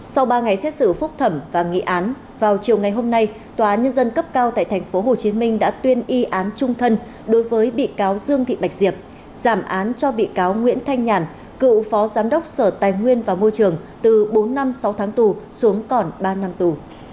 sau ba ngày xét xử phúc thẩm và nghị án vào chiều ngày hôm nay tòa nhân dân cấp cao tại tp hcm đã tuyên y án trung thân đối với bị cáo dương thị bạch diệp giảm án cho bị cáo nguyễn thanh nhàn cựu phó giám đốc sở tài nguyên và môi trường từ bốn năm sáu tháng tù xuống còn ba năm tù